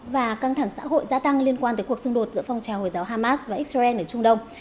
và căng thẳng xã hội gia tăng liên quan tới cuộc xung đột giữa phong trào hồi giáo hamas và israel ở trung đông